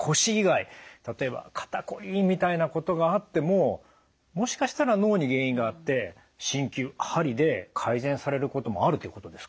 例えば「肩こり」みたいなことがあってももしかしたら脳に原因があって鍼灸鍼で改善されることもあるっていうことですか？